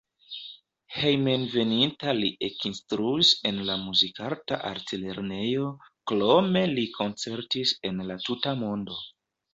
Hejmenveninta li ekinstruis en la Muzikarta Altlernejo, krome li koncertis en la tuta mondo.